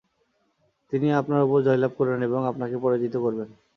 তিনি আপনার উপর জয়লাভ করবেন ও আপনাকে পরাজিত করবেন।